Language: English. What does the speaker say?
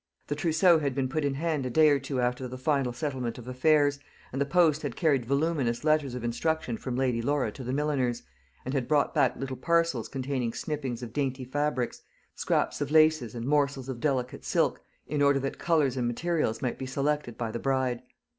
The trousseau had been put in hand a day or two after the final settlement of affairs, and the post had carried voluminous letters of instruction from Lady Laura to the milliners, and had brought back little parcels containing snippings of dainty fabrics, scraps of laces, and morsels of delicate silk, in order that colours and materials might be selected by the bride.